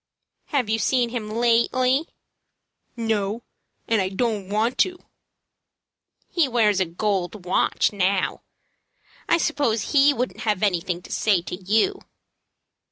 "Have you seen him lately?" "No, an' I don't want to." "He wears a gold watch now. I suppose he wouldn't have anything to say to you."